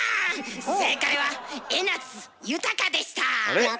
正解は江夏豊でした。